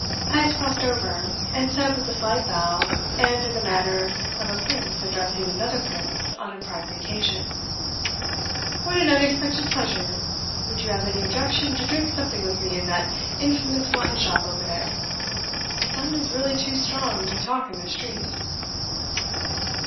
Heyst crossed over, and said with a slight bow, and in the manner of a prince addressing another prince on a private occasion: "What an unexpected pleasure. Would you have any objection to drink something with me in that infamous wine shop over there? The sun is really too strong to talk in the street."